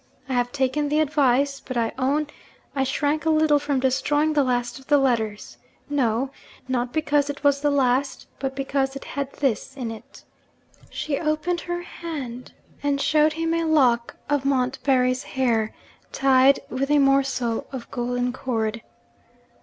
I have taken the advice; but I own I shrank a little from destroying the last of the letters. No not because it was the last, but because it had this in it.' She opened her hand, and showed him a lock of Montbarry's hair, tied with a morsel of golden cord.